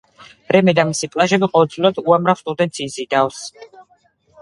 რემე და მისი პლაჟები ყოველწლიურად უამრავ ტურისტს იზიდავს.